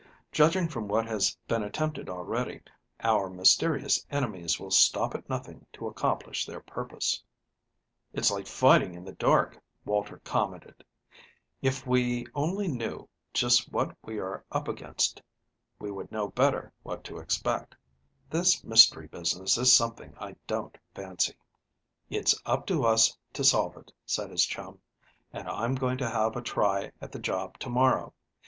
Judging from what has been attempted already, our mysterious enemies will stop at nothing to accomplish their purpose." "It's like fighting in the dark," Walter commented. "If we only knew just what we are up against, we would know better what to expect. This mystery business is something I don't fancy." "It's up to us to solve it," said his chum; "and I'm going to have a try at the job to morrow.